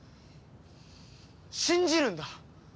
信じるんだ。